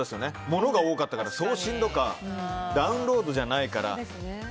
ものが多かったから送信とかダウンロードじゃないから。